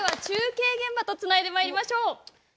中継現場とつないでまいりましょう。